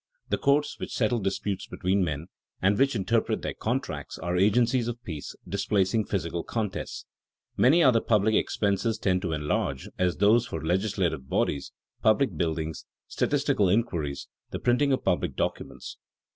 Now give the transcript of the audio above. The courts which settle disputes between men, and which interpret their contracts, are agencies of peace, displacing physical contests. Many other public expenses tend to enlarge, as those for legislative bodies, public buildings, statistical inquiries, the printing of public documents.